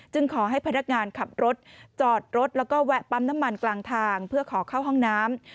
ขอให้พนักงานขับรถจอดรถแล้วก็แวะปั๊มน้ำมันกลางทางเพื่อขอเข้าห้องน้ำ